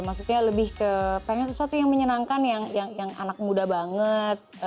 maksudnya lebih ke pengen sesuatu yang menyenangkan yang anak muda banget